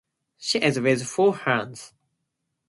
She is with four hands.